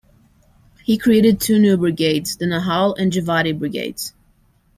He created two new brigades: the Nahal and Givati brigades.